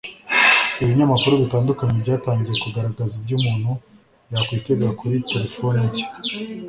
ibinyamakuru bitandukanye byatangiye kugaragaza ibyo umuntu yakwitega kuri telefoni nshya